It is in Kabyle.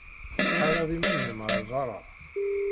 Tḥeṛṛed iman-nnem ɣer beṛṛa.